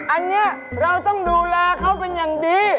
อันนี้เราต้องดูแลเขาเป็นอย่างดี